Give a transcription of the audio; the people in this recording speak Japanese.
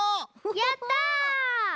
やった！